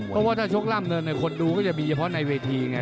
เพราะว่าถ้าชกล่ามเนินคนดูก็จะมีเฉพาะในเวทีไง